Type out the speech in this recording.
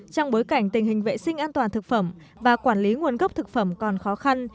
trong bối cảnh tình hình vệ sinh an toàn thực phẩm và quản lý nguồn gốc thực phẩm còn khó khăn